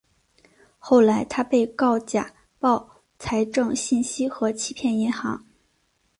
后来他被告假报财政信息和欺骗银行。